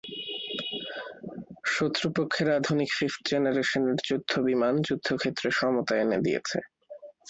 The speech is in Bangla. শত্রুপক্ষের আধুনিক ফিফথ জেনারেশনের যুদ্ধ বিমান যুদ্ধক্ষেত্রে সমতা এনে দিয়েছে।